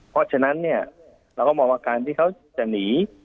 เพราะฉะนั้นเนี่ยเราก็มองว่าการที่เขาจะหนี